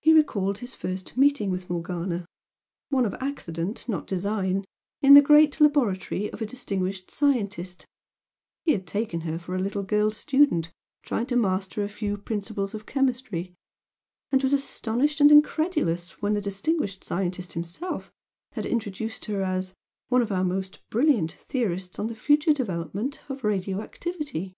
He recalled his first meeting with Morgana, one of accident, not design in the great laboratory of a distinguished scientist, he had taken her for a little girl student trying to master a few principles of chemistry, and was astonished and incredulous when the distinguished scientist himself had introduced her as "one of our most brilliant theorists on the future development of radio activity."